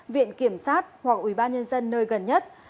viện kiểm sát hoặc ủy ban nhân dân nơi gần nhất